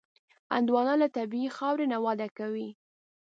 هندوانه له طبیعي خاورې نه وده کوي.